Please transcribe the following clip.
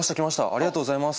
ありがとうございます。